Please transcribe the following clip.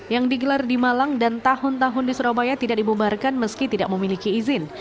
yang digelar di malang dan tahun tahun di surabaya tidak dibubarkan meski tidak memiliki izin